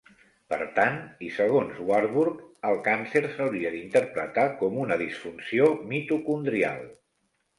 Per tant, i segons Warburg, el càncer s"hauria d"interpretar com una disfunció mitocondrial.